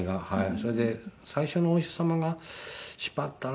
それで最初のお医者様がしまったなって。